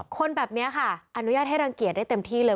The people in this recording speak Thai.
คนแบบนี้ค่ะอนุญาตให้รังเกียจได้เต็มที่เลย